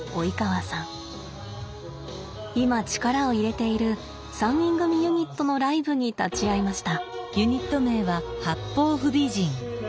今力を入れている３人組ユニットのライブに立ち会いました。